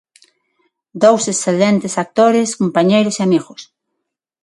Dous excelentes actores, compañeiros e amigos.